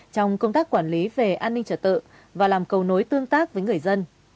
trong công tác quản lý về an ninh trật tự và làm cầu nối tương tác với người dân